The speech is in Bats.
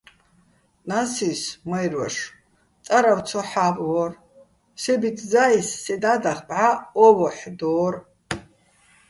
ნასის მაჲრვაშო̆ წარავ ცო ჰ̦ა́ბვორ, სე ბიძძა́ის სე და́დახ ბჵა "ო ვოჰ̦" დო́რ.